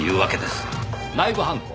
内部犯行。